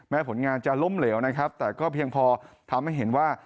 ผลงานจะล้มเหลวนะครับแต่ก็เพียงพอทำให้เห็นว่า